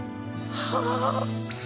はあ。